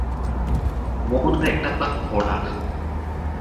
মোহনের একটা পা খোড়া।